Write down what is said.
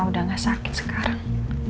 udah gak sakit sekarang